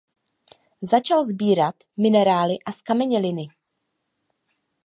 Začal sbírat minerály a zkameněliny.